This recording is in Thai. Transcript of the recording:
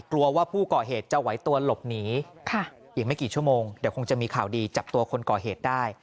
กลัวว่าผู้ก่อเหตุจะไหวตัวหลบหนีอีกไม่กี่ชั่วโมงเดี๋ยวคงจะมีข่าวดีจับตัวคนก่อเหตุได้